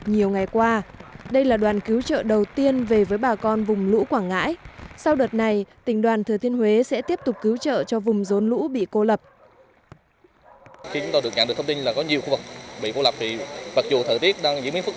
nhiều ngày qua